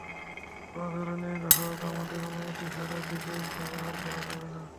যেকোনো ধরনেই হোক, আমার অনুমতি ছাড়া বিজয় ব্যবহার করা যাবে না।